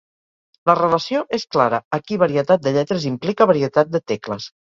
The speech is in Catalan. La relació és clara: aquí varietat de lletres implica varietat de tecles.